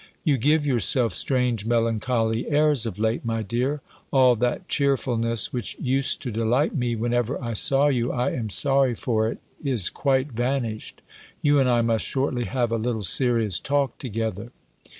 "You give yourself strange melancholy airs of late, my dear. All that cheerfulness, which used to delight me whenever I saw you, I am sorry for it, is quite vanished. You and I must shortly have a little serious talk together."